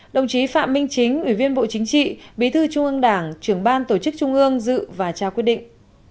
đồng chí phạm minh chính ủy viên bộ chính trị bí thư trung ương đảng trưởng ban tổ chức trung ương dự và trao quyết định